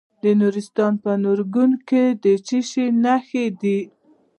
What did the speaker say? د نورستان په نورګرام کې د څه شي نښې دي؟